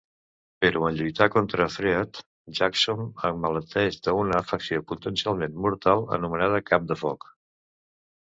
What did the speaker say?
Però en lluitar contra Thread, Jaxom emmalalteix d'una afecció potencialment mortal anomenada "cap de foc".